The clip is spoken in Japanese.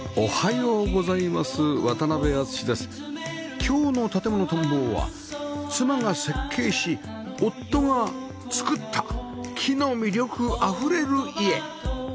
今日の『建もの探訪』は妻が設計し夫がつくった木の魅力あふれる家